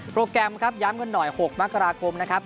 แกรมครับย้ำกันหน่อย๖มกราคมนะครับ